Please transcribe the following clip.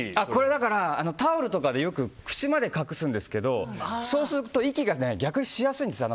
タオルとかでよく口まで隠すんですけどそうすると息が逆にしやすいんですよ。